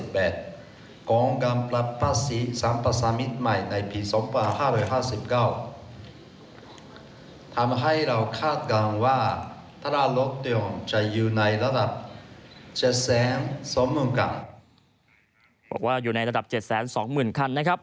บอกว่าอยู่ในระดับ๗๒๐๐๐๐คัน